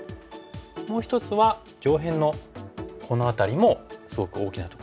もう一つは上辺のこの辺りもすごく大きなとこですよね。